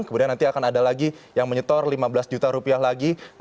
kemudian nanti akan ada lagi yang menyetor lima belas juta rupiah lagi